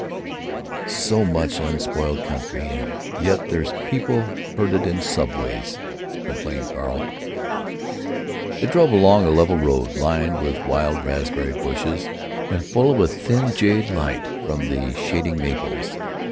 "So much unspoiled country, and yet there's people herded in subways!" complained Carl. They drove along a level road, lined with wild raspberry bushes and full of a thin jade light from the shading maples.